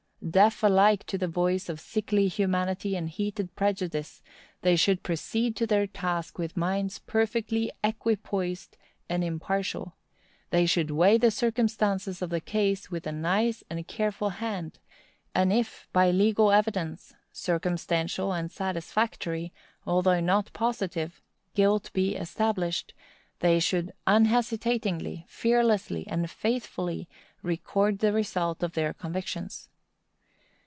Deaf alike to the voice of sickly humanity and heated prejudice, they should proceed to their task with minds perfectly equipoised and impartial; they should weigh the circumstances of the case with a nice and careful hand; and if, by legal evidence, circumstantial and satisfactory, although not positive, guilt be established, they should unhesitatingly, fearlessly and faithfully, record the result of their convictions.